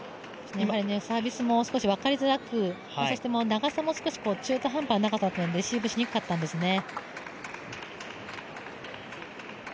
サービスも少し分かりづらく、長さも中途半端な長さだったのでレシーブしにくかったんですね。